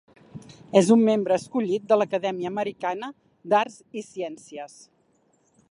És un membre escollit de l'Acadèmia Americana d'Arts i Ciències.